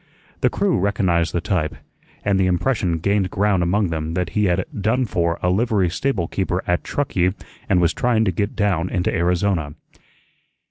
The crew recognized the type, and the impression gained ground among them that he had "done for" a livery stable keeper at Truckee and was trying to get down into Arizona.